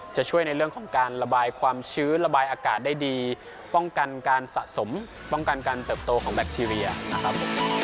จะช่วยในเรื่องของการระบายความชื้นระบายอากาศได้ดีป้องกันการสะสมป้องกันการเติบโตของแบคทีเรียนะครับผม